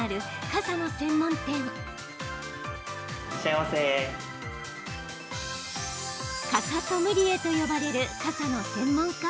傘ソムリエと呼ばれる傘の専門家